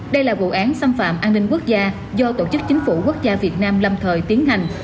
đây là vụ án xâm phạm an ninh quốc gia do tổ chức chính phủ quốc gia việt nam lâm thời tiến hành